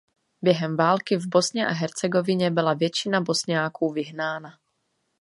Během války v Bosně a Hercegovině byla většina Bosňáků vyhnána.